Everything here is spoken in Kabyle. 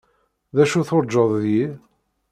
D acu turǧaḍ deg-i?